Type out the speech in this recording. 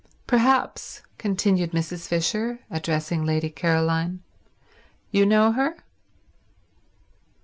"Perhaps," continued Mrs. Fisher, addressing Lady Caroline, "you know her?"